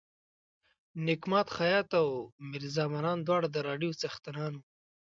نیک ماد خیاط او میرزا منان دواړه د راډیو څښتنان وو.